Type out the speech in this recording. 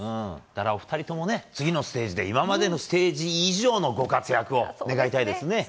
お二人共、次のステージで今までのステージ以上のご活躍を願いたいですね。